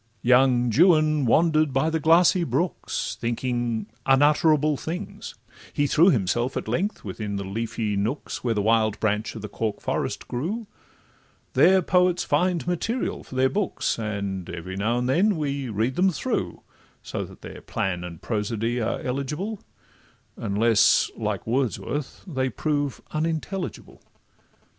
Young Juan wander'd by the glassy brooks, Thinking unutterable things; he threw Himself at length within the leafy nooks Where the wild branch of the cork forest grew; There poets find materials for their books, And every now and then we read them through, So that their plan and prosody are eligible, Unless, like Wordsworth, they prove unintelligible.